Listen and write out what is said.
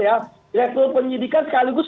direktur penyidikan sekaligus